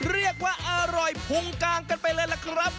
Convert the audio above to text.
เรียกว่าอร่อยพุงกางกันไปเลยล่ะครับ